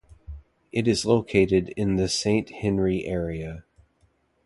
It is located in the Saint-Henri area.